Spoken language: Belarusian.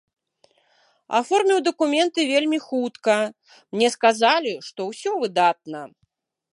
Аформіў дакументы вельмі хутка, мне сказалі, што ўсё выдатна.